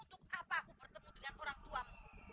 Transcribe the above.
untuk apa aku bertemu dengan orangtuamu